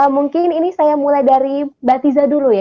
mungkin ini saya mulai dari mbak tiza dulu ya